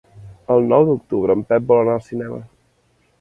El nou d'octubre en Pep vol anar al cinema.